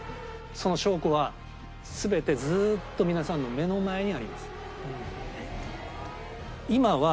その証拠が全てずっと皆さんの目の前にあります。